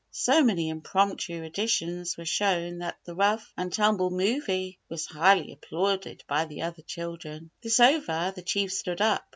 So many impromptu additions were shown that the rough and tumble "movie" was highly applauded by the other children. This over, the Chief stood up.